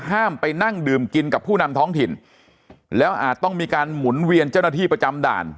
ห้ามไปนั่งดื่มกินกับผู้นำท้องถิ่นแล้วอาจต้องมีการหมุนเวียนเจ้าหน้าที่ประจำด่าน